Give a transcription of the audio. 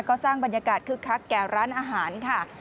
ก็สร้างบรรยากาศคึกคักแก่ร้านอาหารค่ะ